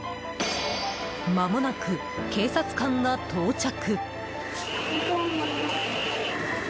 まもなく警察官が到着。